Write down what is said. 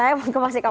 yang satu saja